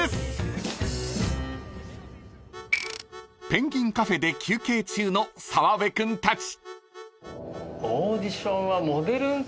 ［ペンギンカフェで休憩中の澤部君たち］